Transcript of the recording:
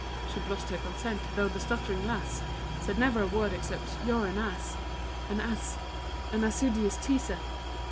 She blushed her consent, though the stuttering lass Said never a word except "You're an ass An ass an ass iduous teaser!"